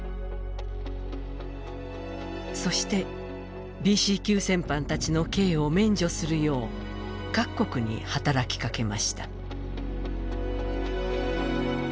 そして、ＢＣ級戦犯たちの刑を免除するよう各国に働きかけました。